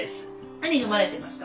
「何飲まれてますか？」。